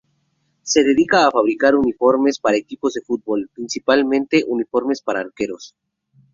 Se dedica a fabricar uniformes para equipos de fútbol, principalmente uniformes para arqueros.